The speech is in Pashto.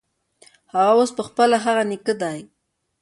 هغه اوس پخپله هغه نیکه دی.